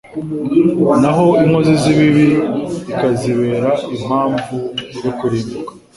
naho inkozi z’ibibi ikazibera impamvu yo kurimbuka